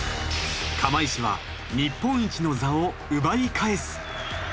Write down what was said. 釜石は日本一の座を奪い返す。